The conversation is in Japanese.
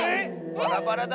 バラバラだ。